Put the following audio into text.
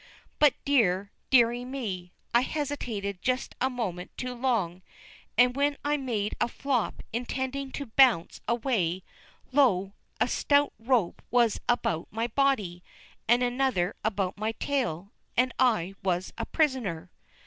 But dear, deary me! I hesitated just a moment too long, and when I made a flop intending to bounce away, lo! a stout rope was about my body, and another about my tail, and I was a prisoner!